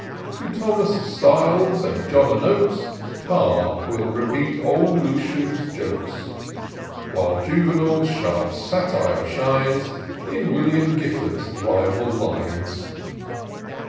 To Thomas Styles and John a Nokes Carr will repeat old Lucian's jokes ; While JuvenaVs sharp satire shines In William Giffard's rival lines.